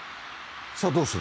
さ、どうする？